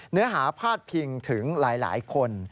เนื้อหาพาดพิงถึงหลายคน